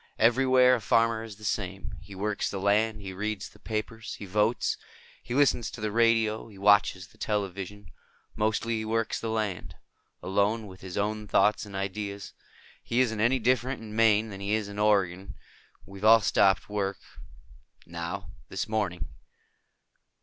Everywhere a farmer is the same. He works the land. He reads the papers. He votes. He listens to the radio. He watches the television. Mostly, he works the land. Alone, with his own thoughts and ideas. He isn't any different in Maine than he is in Oregon. We've all stopped work. Now. This morning."